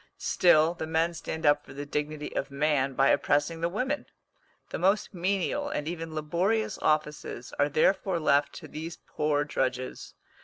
Still the men stand up for the dignity of man by oppressing the women. The most menial, and even laborious offices, are therefore left to these poor drudges.